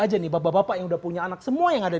aja nih bapak bapak yang udah punya anak semua yang ada